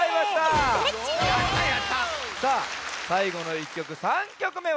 さいごの１きょく３きょくめは？